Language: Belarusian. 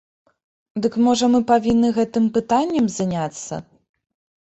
Дык можа мы павінны гэтым пытаннем заняцца?